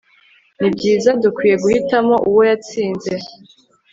Nibyiza dukwiye guhitamo uwo yatsinze